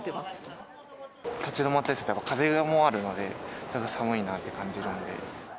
立ち止まったりすると、風がもうあるので、寒いなって感じるので。